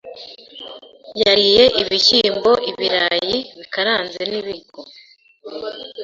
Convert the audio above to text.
Yariye ibishyimbo ibirayi bikaranze n'ibigo